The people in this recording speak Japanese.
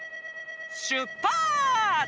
しゅっぱつ！